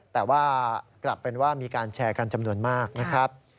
แต่ว่ากลับเป็นว่ามีการแชร์กันจำนวนมากนะครับ